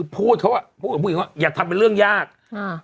พูดเขาอ่ะพูดกับผู้หญิงว่าอย่าทำเป็นเรื่องยากอ่า